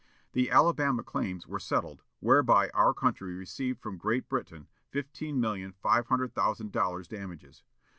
The Alabama claims were settled, whereby our country received from Great Britain fifteen million five hundred thousand dollars damages.